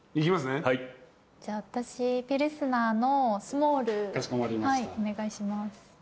ピルスナーのスモールお願いします。